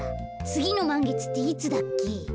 つぎのまんげつっていつだっけ？